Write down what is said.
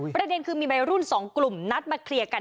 ประเด็นคือมีวัยรุ่น๒กลุ่มนัดมาเคลียร์กัน